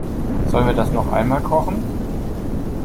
Sollen wir das noch einmal kochen?